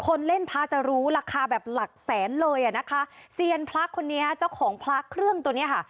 คนเล่นพระจะรู้ราคาแบบหลักแสนเลยอ่ะนะคะเซียนพระคนนี้เจ้าของพระเครื่องตัวเนี้ยค่ะ